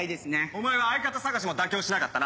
お前は相方探しも妥協しなかったな。